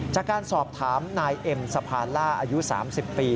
จากการสอบถามนายเอ็มสะพานล่าอายุ๓๐ปี